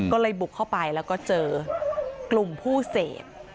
ก็เลยบุกเข้าไปแล้วก็เจอกลุ่มผู้เสพ